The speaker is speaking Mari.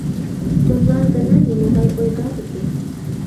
Тудлан гына нимогай ойгат уке.